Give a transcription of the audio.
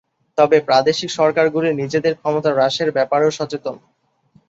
তবে প্রাদেশিক সরকারগুলি নিজেদের ক্ষমতা হ্রাসের ব্যাপারেও সচেতন।